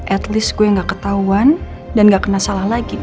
at least gue gak ketauan dan gak kena salah lagi deh